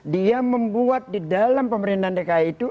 dia membuat di dalam pemerintahan dki itu